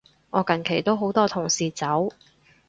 我近期都好多同事走